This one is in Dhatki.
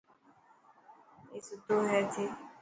اي ستو هي اٿي.